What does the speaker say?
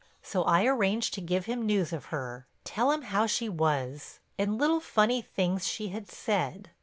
So I arranged to give him news of her, tell him how she was, and little funny things she had said.